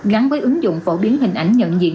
gắn với ứng dụng phổ biến hình ảnh nhận diện